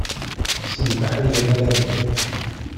S lemkaḥel, yerna la regglen.